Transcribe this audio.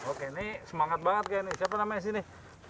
oke nih semangat banget kayaknya siapa namanya sih nih